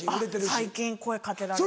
最近声掛けられる。